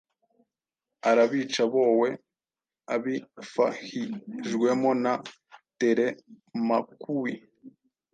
arabica boe, abifahijwemo na Telemakui,